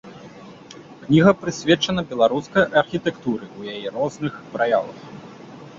Кніга прысвечана беларускай архітэктуры ў яе розных праявах.